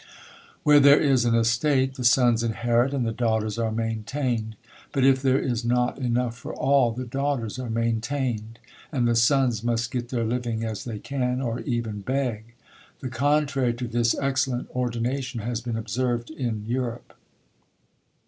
Where there is an estate, the sons inherit, and the daughters are maintained; but if there is not enough for all, the daughters are maintained, and the sons must get their living as they can, or even beg. The contrary to this excellent ordination has been observed in Europe.